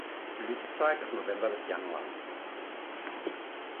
Blütezeit ist November bis Januar.